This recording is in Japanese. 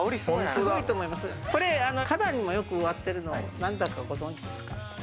この花壇にもよく植ってるの、なんだかご存知ですか？